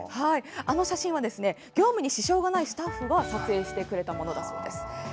あの写真は業務に支障がないスタッフが撮影してくれたものだそうです。